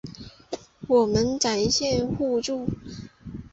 我们展现互助